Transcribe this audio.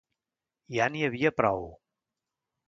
Ja n'hi havia prou!